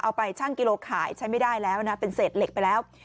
ไปช่างกิโลขายใช้ไม่ได้แล้วนะเป็นเศษเหล็กไปแล้ว